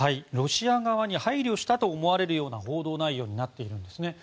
ロシア側に配慮したと思われるような報道内容になっているんです。